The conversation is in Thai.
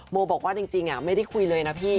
โมบอกว่าจริงไม่ได้คุยเลยนะพี่